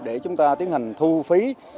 để chúng ta tiến hành thu phí